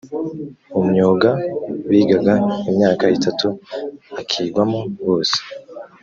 mu myuga bigaga imyaka itatu akigwamo bose